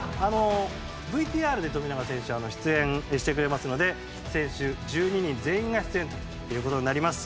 ＶＴＲで、富永選手出演をしてくれますので選手１２人全員が出演ということになります。